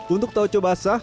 untuk taoco basah